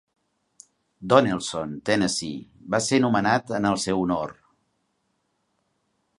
Donelson, Tennessee, va ser nomenat en el seu honor.